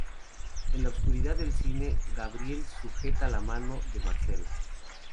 En la oscuridad del cine, Gabriel sujeta la mano de Marcela.